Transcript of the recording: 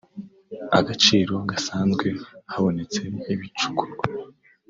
agaciro gasanzwe habonetse ibicukurwa